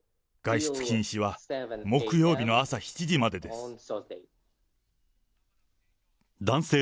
外出禁止は木曜日の朝７時までです。